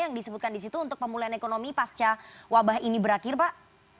yang disebutkan di situ untuk pemulihan ekonomi pasca wabah ini berakhir pak